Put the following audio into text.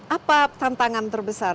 apa tantangan terbesar